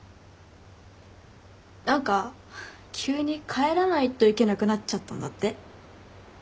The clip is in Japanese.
何か急に帰らないといけなくなっちゃったんだって。